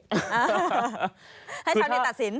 ให้ชาวเน็ตตัดสิน